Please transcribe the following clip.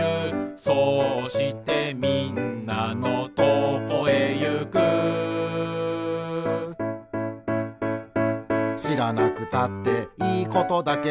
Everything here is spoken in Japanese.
「そうしてみんなのとこへゆく」「しらなくたっていいことだけど」